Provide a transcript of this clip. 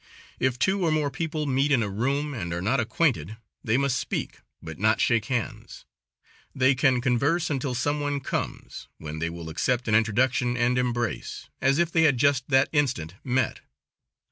If two or more people meet in a room and are not acquainted they must speak, but not shake hands; they can converse until some one comes, when they will accept an introduction and embrace, as if they had just that instant met.